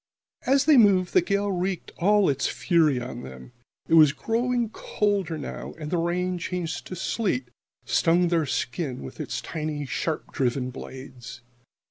As they moved, the gale wreaked all its fury on them. It was growing colder now, and the rain, changed to sleet, stung their skins with its tiny, sharp driven blades.